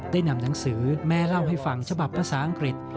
ได้นำหนังสือแม่เล่าให้ฟังฉบับภาษาอังกฤษ